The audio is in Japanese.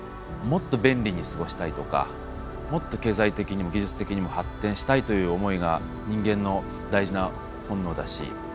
もっと便利に過ごしたいとかもっと経済的にも技術的にも発展したいという思いが人間の大事な本能だし。